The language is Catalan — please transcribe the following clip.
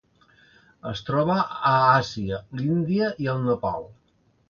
Es troba a Àsia: l'Índia i el Nepal.